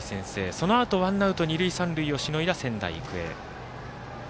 そのあと、ワンアウト二塁三塁をしのいだ仙台育英。